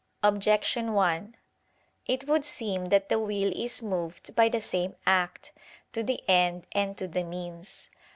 Objection 1: It would seem that the will is moved by the same act, to the end and to the means.